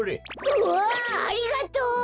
うわありがとう！